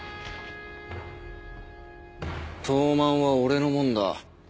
東卍は俺のもんだ。